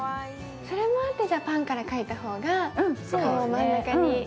それもあって、パンから描いた方が顔を真ん中に。